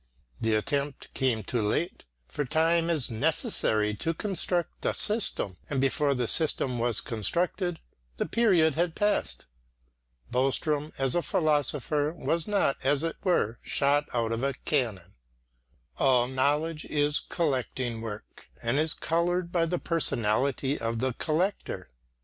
The attempt came too late, for time is necessary to construct a system, and before the system was constructed, the period had passed. Boström, as a philosopher, was not, as it were, shot out of a cannon. All knowledge is collecting work, and is coloured by the personality of the collector.